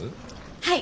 はい。